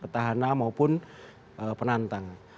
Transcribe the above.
pertahana maupun penantang